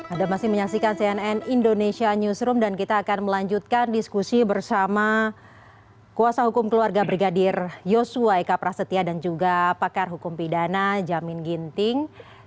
anda masih menyaksikan cnn indonesia newsroom dan kita akan melanjutkan diskusi bersama kuasa hukum keluarga brigadir yosua eka prasetya dan juga pakar hukum pidana jamin ginting